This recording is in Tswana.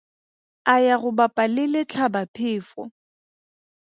A ya go bapa le letlhabaphefo.